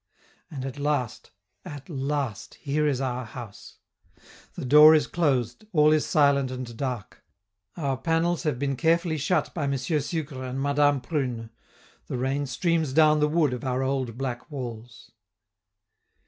And at last, at last, here is our house! The door is closed, all is silent and dark. Our panels have been carefully shut by M. Sucre and Madame Prune; the rain streams down the wood of our old black walls.